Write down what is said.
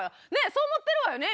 そう思ってるわよね？